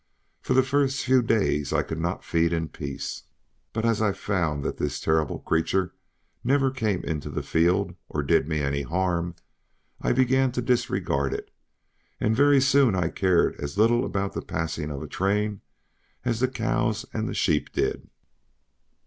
For the first few days I could not feed in peace; but as I found that this terrible creature never came into the field, or did me any harm, I began to disregard it, and very soon I cared as little about the passing of a train as the cows and sheep did.